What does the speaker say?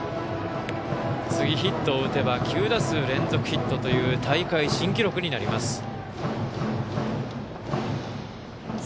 次、ヒットを打てば９打数連続ヒットという大会新記録になります。